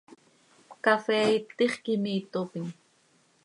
Cafee itix quih imiitopim.